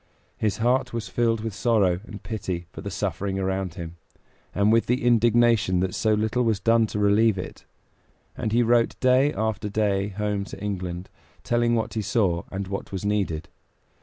His heart was filled with sorrow and pity for the suffering around him, and with indignation that so little was done to relieve it; and he wrote day after day home to England, telling what he saw and what was needed.